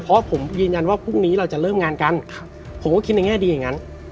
เพราะผมยืนยันว่าพรุ่งนี้เราจะเริ่มงานกันผมก็คิดในแง่ดีอย่างนั้น